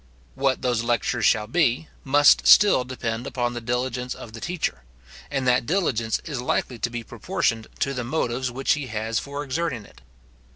What those lectures shall be, must still depend upon the diligence of the teacher; and that diligence is likely to be proportioned to the motives which he has for exerting it.